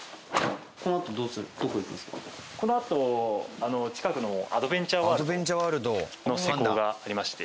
このあと近くのアドベンチャーワールドの施工がありまして。